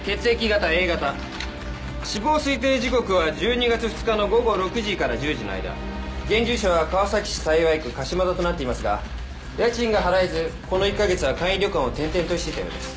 Ａ型死亡推定時刻は１２月２日の午後６時から１０時の間現住所は川崎市幸区鹿島田となっていますが家賃が払えずこの１ヵ月は簡易旅館を転々としていたようです